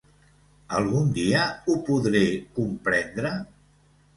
¿Algun dia ho podré comprendre?